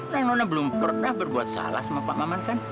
bang nona belum pernah berbuat salah sama pak maman kan